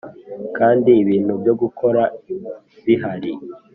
kandi ibintu byo gukora bihari.